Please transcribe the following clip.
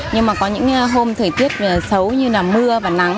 nhưng mà có những hôm thời tiết xấu như là mưa và nắng